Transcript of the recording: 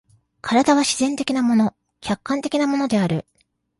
身体は自然的なもの、客観的なものである。